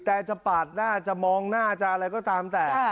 จะปาดหน้าจะมองหน้าจะอะไรก็ตามแต่